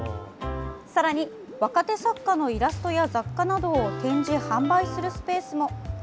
さらに、若手作家のイラストや雑貨などを展示・販売するスペースも。